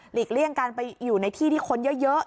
เลี่ยงการไปอยู่ในที่ที่คนเยอะ